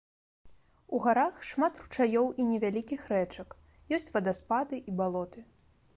У гарах шмат ручаёў і невялікіх рэчак, ёсць вадаспады і балоты.